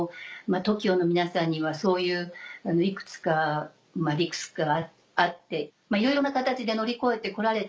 ＴＯＫＩＯの皆さんにはそういういくつかリスクがあっていろいろな形で乗り越えて来られた。